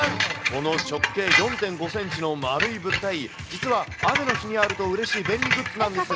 この直径４．５センチの丸い物体、実は雨の日にあるとうれしい便利グッズなんです。